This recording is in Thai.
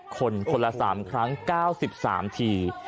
คนคนละ๓ครั้ง๙๓ที